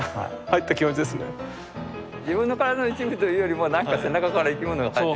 自分の身体の一部というよりも何か背中から生き物が生えてる。